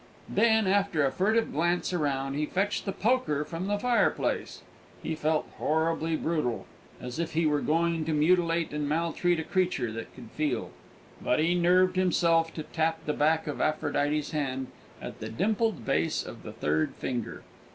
Then, after a furtive glance around, he fetched the poker from the fireplace. He felt horribly brutal, as if he were going to mutilate and maltreat a creature that could feel; but he nerved himself to tap the back of Aphrodite's hand at the dimpled base of the third finger.